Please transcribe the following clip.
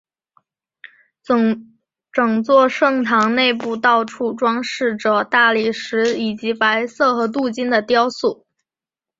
整座圣堂内部到处装饰着大理石以及白色和镀金的雕塑。